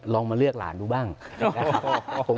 ลองมาเลือกหลานดูบ้างนะครับ